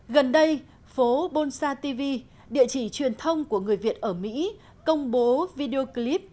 gần đây phố bolsatv địa chỉ truyền thông của người việt ở mỹ công bố video clip